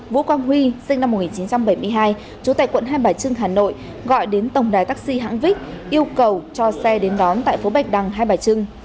vũ quang huy sinh năm một nghìn chín trăm bảy mươi hai chủ tịch quận hai bài trưng hà nội gọi đến tổng đài taxi hãng vích yêu cầu cho xe đến đón tại phố bạch đăng hai bài trưng